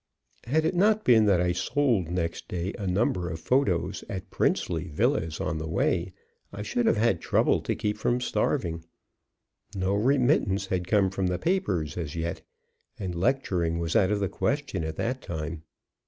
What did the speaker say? Had it not been that I sold next day a number of photos at princely villas on the way, I should have had trouble to keep from starving. No remittance had come from the papers as yet, and lecturing was out of the question at that time.